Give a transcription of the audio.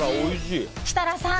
設楽さん